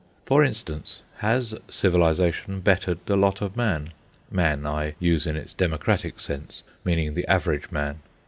For instance, has Civilisation bettered the lot of man? "Man," I use in its democratic sense, meaning the average man.